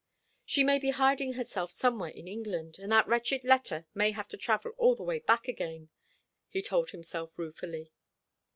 "She may be hiding herself somewhere in England, and that wretched letter may have to travel all the way back again," he told himself ruefully.